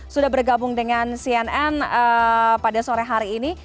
sudah bergabung dengan cnn pada sore hari ini